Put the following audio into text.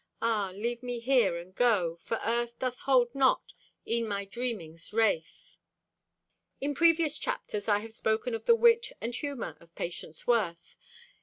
Ah, leave me here and go, For Earth doth hold not E'en my dreaming's wraith. In previous chapters I have spoken of the wit and humor of Patience Worth.